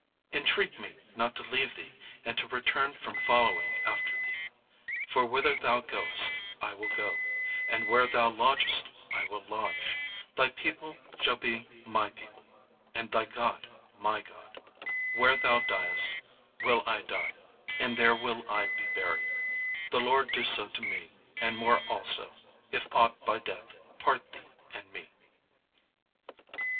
_"Intreat me not to leave thee, and to return from following after thee: for whither thou goest I will go; and where thou lodgest I will lodge: thy people shall be my people, and thy God my God: where thou diest will I die, and there will I be buried: the Lord do so to me, and more also, if aught but death part thee and me."_ [Illustration: "'INTREAT ME NOT TO LEAVE THEE.'"